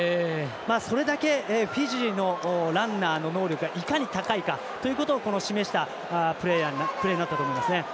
それだけフィジーのランナーの能力がいかに高いかということを示したプレーになったと思います。